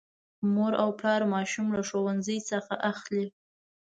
مور او پلا ماشوم له ښوونځي څخه اخلي.